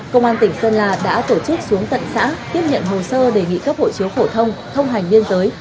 công an tỉnh sơn la đã tổ chức xuống tận xã tiếp nhận hồ sơ đề nghị cấp hộ chiếu phổ thông thông hành biên giới